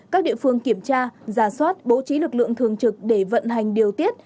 các địa phương kiểm tra giả soát bố trí lực lượng thường trực để vận hành điều tiết